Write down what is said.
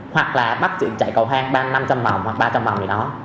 hoặc là bác chị chạy cầu hang năm trăm linh vòng hoặc ba trăm linh vòng gì đó